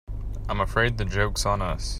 I'm afraid the joke's on us.